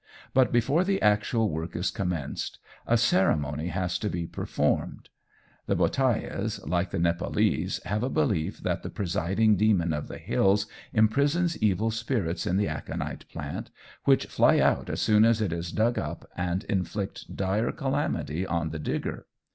But before the actual work is commenced, a ceremony has to be performed. The Bhotiahs, like the Nepalese, have a belief that the presiding demon of the hills imprisons evil spirits in the aconite plant, which fly out as soon as it is dug up and inflict dire calamity on the digger.